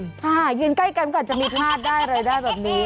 ค่ะเย็นใกล้กันก่อนจะมีทาสได้เลยได้แบบนี้